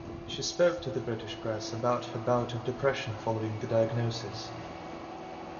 She spoke to the British press about her bout of depression following the diagnosis.